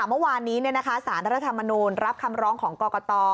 เมื่อวานนี้เนี่ยนะคะสารรธรรมนูญรับคำร้องของกรกต